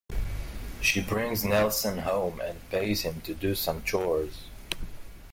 She brings Nelson home and pays him to do some chores.